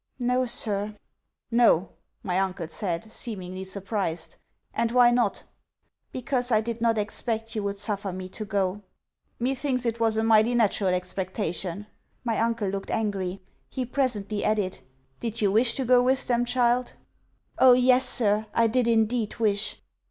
'No, sir.' 'No!' my uncle said, seemingly surprised; 'and why not?' 'Because I did not expect you would suffer me to go.' 'Methinks it was a mighty natural expectation.' My uncle looked angry. He presently added. 'Did you wish to go with them, child?' 'O yes, sir, I did indeed wish!'